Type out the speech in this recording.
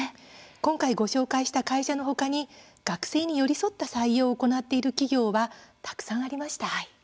今回、ご紹介した会社の他に学生に寄り添った採用を行っている企業はたくさんありました。